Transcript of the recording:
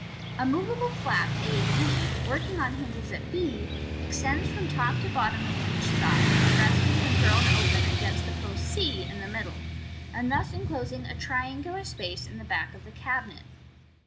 A moveable flap a Df working on hinges at b, extends from top to bottom of each side, Fig, 299. MODERN MAGIC. AT, resting when thrown open against the post c in the middle, and thus enclosing a triangular space at the back of the cabinet.